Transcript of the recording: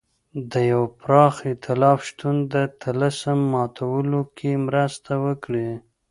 د یوه پراخ اېتلاف شتون د طلسم ماتولو کې مرسته وکړي.